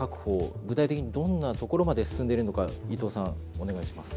具体的にどんなところまで進んでいるのか伊藤さんお願いします。